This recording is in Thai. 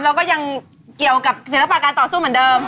เราก็ยังเกี่ยวกับศิลปะการต่อสู้เหมือนเดิม